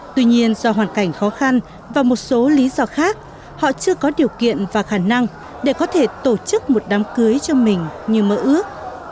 tuy nhiên do hoàn cảnh khó khăn và một số lý do khác họ chưa có điều kiện và khả năng để có thể tổ chức một đám cưới cho mình như mơ ước